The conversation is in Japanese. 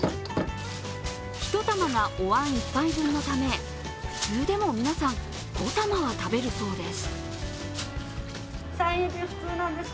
１玉がお椀１杯分のため、普通でも皆さん、５玉は食べるそうです。